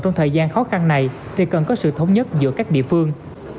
trong thời gian khó khăn này thì cần có sự thống nhất giữa các địa phương